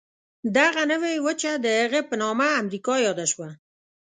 دغه نوې وچه د هغه په نامه امریکا یاده شوه.